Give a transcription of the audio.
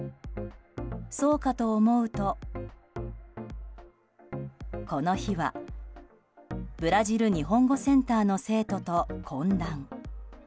そうかと思うとこの日はブラジル日本語センターの生徒と懇談。